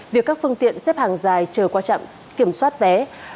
việc các phương tiện xếp hàng dài chờ qua trạm kiểm soát vé